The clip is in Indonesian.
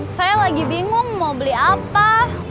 saya lagi bingung mau beli apa